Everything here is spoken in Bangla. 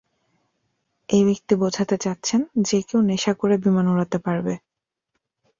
এই ব্যক্তি বোঝাতে চাচ্ছেন যে কেউ নেশা করে বিমান উড়াতে পারবে।